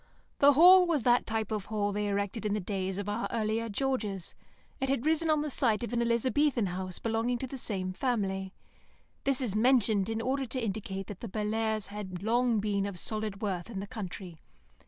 The Hall was that type of hall they erected in the days of our earlier Georges; it had risen on the site of an Elizabethan house belonging to the same family. This is mentioned in order to indicate that the Bellairs' had long been of solid worth in the country.